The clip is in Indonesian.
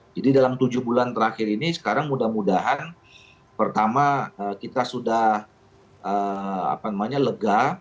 jadi dalam tujuh bulan terakhir ini sekarang mudah mudahan pertama kita sudah apa namanya lega